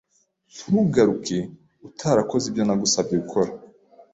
Ntugaruke utarakoze ibyo nagusabye gukora.